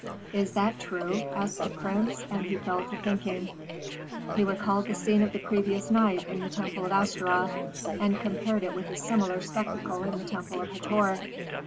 "Is that true?" asked the prince, and he fell to thinking. He recalled the scene of the previous night in the temple of Astaroth, and compared it with a similar spectacle in the temple of Hator.